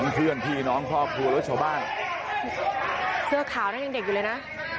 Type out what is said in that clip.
เพื่อนพี่น้องครอบครัวและชาวบ้านเสื้อขาวนั้นยังเด็กอยู่เลยนะ